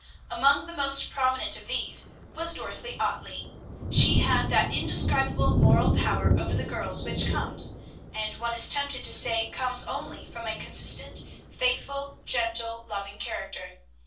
Among the most prominent of these was Dorothy Ottley. She had that indescribable moral power over the girls which comes, and one is tempted to say comes only, from a consistent, faithful, gentle, loving character.